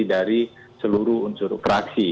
jadi dari seluruh unsur operasi